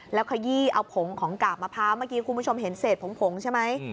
แล้วขยี้เอาผงของกาบมะพร้าวเมื่อกี้คุณผู้ชมเห็นเศษผงใช่ไหม